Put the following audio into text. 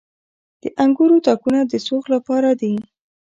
د انګورو تاکونه د سوخت لپاره دي.